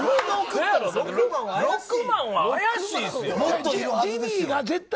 あやしいですよ。